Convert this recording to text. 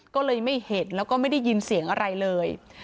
ก็เลยไม่เห็นแล้วก็ไม่ได้ยินเสียงอะไรเลย